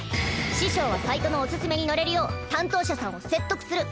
師匠はサイトのおすすめに載れるよう担当者さんを説得する。